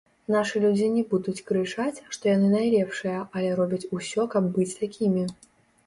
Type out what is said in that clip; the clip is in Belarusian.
Нашы людзі не будуць крычаць, што яны найлепшыя, але робяць усё, каб быць такімі.